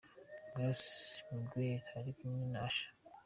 Grace Miguel ari kumwe na Usher.